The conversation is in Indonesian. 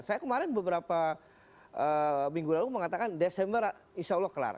saya kemarin beberapa minggu lalu mengatakan desember insya allah kelar